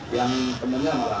yang temannya malah